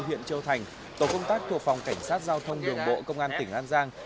huyện châu thành tổ công tác thuộc phòng cảnh sát giao thông đường bộ công an tỉnh an giang